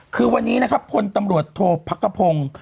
คือวันนี้นะครับพลตำรวจโทษพักกระพงศ์